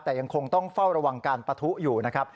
แต่ยังคงต้องเฝ้าระวังการปะทุอยู่นะครับ